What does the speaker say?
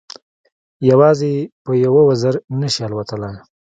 یوازې په یوه وزر نه شي الوتلای.